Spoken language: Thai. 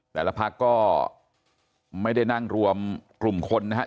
แต่ละพักก็ไม่ได้นั่งรวมกลุ่มคนนะครับ